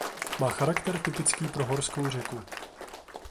Má charakter typický pro horskou řeku.